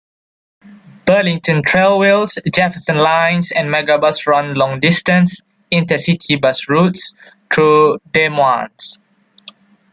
Burlington Trailways, Jefferson Lines, and Megabus run long-distance, inter-city bus routes through Des Moines.